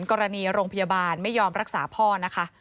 กรณีโรงพยาบาลไม่ยอมรักษาพ่อนะคะ